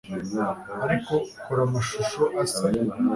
Ariko kora amashusho asa